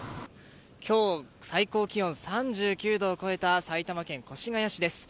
今日、最高気温３９度を超えた埼玉県越谷市です。